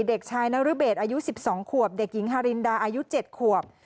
เด็กชายนรเบชอายุสิบสองควบเด็กหญิงฮารินดาอายุเจ็ดควบ